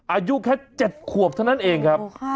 อายุแค่๗ขวบเท่านั้นเองครับ